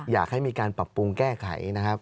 อยากให้มีการปรับปรุงแก้ไขนะครับ